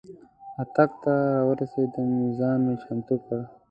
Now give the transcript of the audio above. اتاق ته راورسېدم ځان مې چمتو کړ.